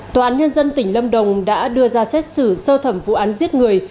tòa án nhân dân tỉnh lâm đồng đã đưa ra xét xử sơ thẩm vụ án giết người